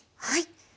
はい。